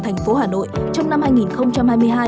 thành phố hà nội trong năm hai nghìn hai mươi hai